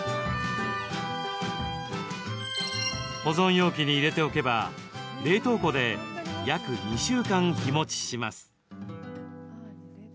保存容器に入れておけば冷凍庫で約２週間、日もちします。